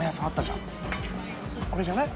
これじゃない？